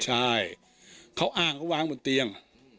ใช่เขาอ้างเขาวางบนเตียง